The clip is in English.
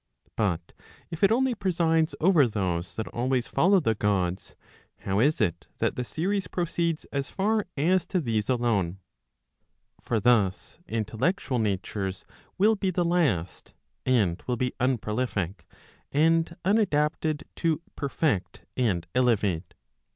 But if it only presides over those that always follow the Gods, how is it that the series proceeds as far as to these falone] P For thus intellectual natures will be the last, and will be unprolific, and unadapted to perfect and elevate.